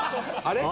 あれ？